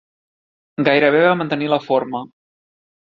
Gairebé va mantenir la forma.